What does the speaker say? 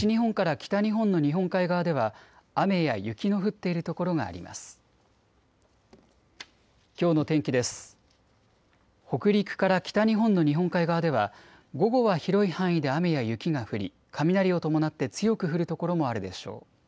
北陸から北日本の日本海側では午後は広い範囲で雨や雪が降り雷を伴って強く降る所もあるでしょう。